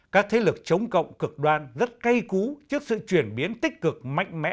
các thế lực chống cộng cực đoan rất cay cú trước sự chuyển biến tích cực mạnh mẽ